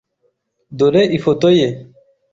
Dore ifoto ye.